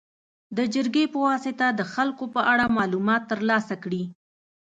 د جرګې په واسطه د هغې په اړه معلومات تر لاسه کړي.